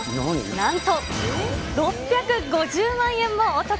なんと６５０万円もお得。